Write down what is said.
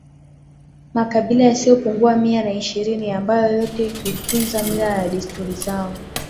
Makabila yasiyopungua Mia na ishirini ambayo yote hutunza mila na desturi zao